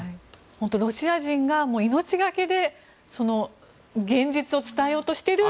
本当、ロシア人が命懸けで現実を伝えようとしている。